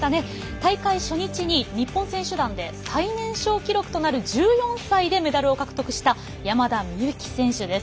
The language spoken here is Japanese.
大会初日に日本選手団で最年少記録となる１４歳でメダルを獲得した山田美幸選手です。